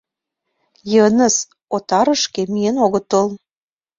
Йыныс отарышке миен огытыл.